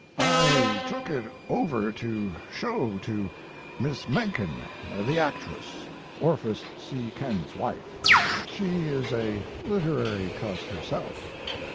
I took it over to show to Miss Menken the actress, Orpheus C. Ken's wife. She is a literary cuss herself.